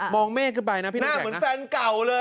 มองเม่ขึ้นไปนะพี่ตัวแข็งนะหึหน้าเหมือนแฟนเก่าเลย